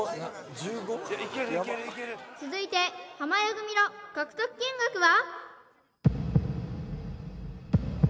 １５？続いて濱家組の獲得金額は？